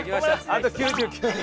あと９９人。